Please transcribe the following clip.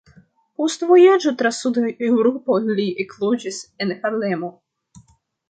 Post vojaĝo tra Suda Eŭropo li ekloĝis en Harlemo.